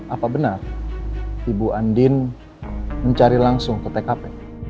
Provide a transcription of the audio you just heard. apa benar ibu andin mencari langsung ke tkp